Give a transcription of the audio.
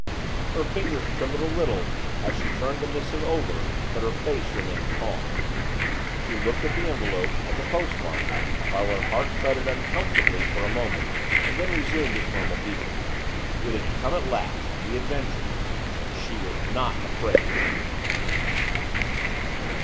Her fingers trembled a little as she turned the missive over but her face remained calm. She looked at the envelope at the postmark while her heart thudded uncomfortably for a moment and then resumed its normal beat. It had come at last the adventure and she was not afraid!